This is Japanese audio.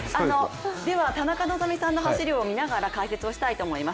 では田中希実さんの走りを見ながら、解説をしたいと思います。